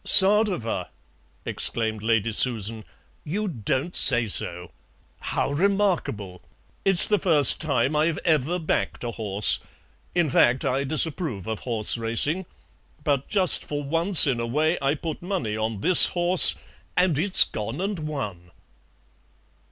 "Sadowa!" exclaimed Lady Susan; "you don't say so! How remarkable! It's the first time I've ever backed a horse; in fact I disapprove of horse racing, but just for once in a way I put money on this horse, and it's gone and won."